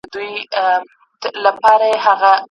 د دستار سرونه یو نه سو را پاته